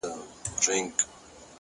دواړه به يو وجود کې شمېر شو سره